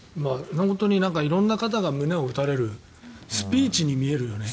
色んな方が胸を打たれるスピーチに見えるよね。